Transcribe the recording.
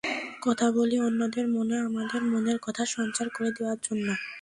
কথা বলি অন্যদের মনে আমাদের মনের কথা সঞ্চার করে দেওয়ার জন্য।